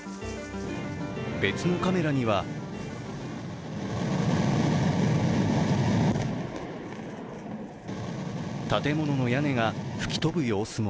別のカメラには建物の屋根が吹き飛ぶ様子も。